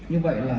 như vậy là